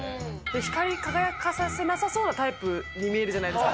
光り輝かさせないようなタイプに見えるじゃないですか。